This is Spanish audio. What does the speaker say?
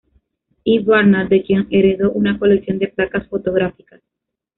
E. Barnard, de quien heredó una colección de placas fotográficas.